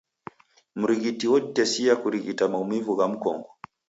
Mrighiti woditesia kurighita maumivu gha mkongo.